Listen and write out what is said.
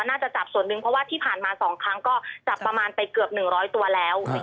น่าจะจับส่วนหนึ่งเพราะว่าที่ผ่านมา๒ครั้งก็จับประมาณไปเกือบ๑๐๐ตัวแล้ว